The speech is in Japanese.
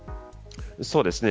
そうですね。